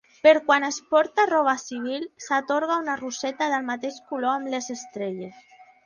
Per quan es porta roba civil, s'atorga una roseta del mateix color amb les estrelles.